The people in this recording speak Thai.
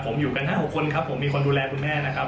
ผมอยู่กัน๕๖คนครับผมมีคนดูแลคุณแม่นะครับ